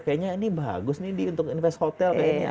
kayaknya ini bagus nih untuk invest hotel kayaknya